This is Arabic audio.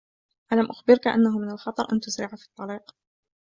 ألم أخبرك أنّه من الخطر أن تسرع في الطّريق؟